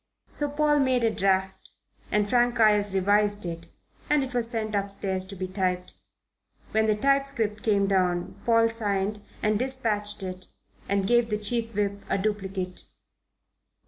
So Paul made a draft and Frank Ayres revised it, and it was sent upstairs to be typed. When the typescript came down, Paul signed and dispatched it and gave the Chief Whip a duplicate.